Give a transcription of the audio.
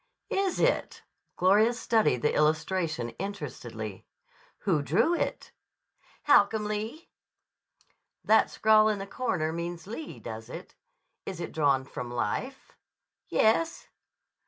"Is it?" Gloria studied the illustration interestedly. "Who drew it?" "Holcomb Lee." "That scrawl in the corner means Lee, does it? Is it drawn from life?" "Yes."